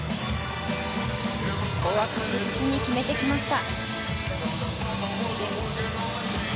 ここは確実に決めてきました。